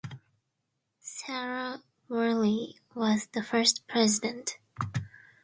Sara Worley was the first President.